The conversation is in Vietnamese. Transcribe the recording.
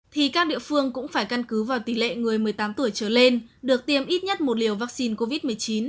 thì các địa phương cũng phải căn cứ vào tỷ lệ người một mươi tám tuổi trở lên được tiêm ít nhất một liều vaccine covid một mươi chín